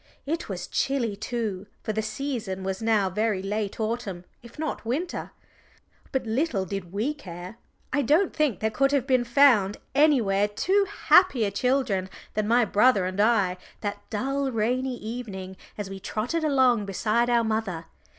It was chilly too, for the season was now very late autumn, if not winter. But little did we care I don't think there could have been found anywhere two happier children than my brother and I that dull rainy evening as we trotted along beside our mother.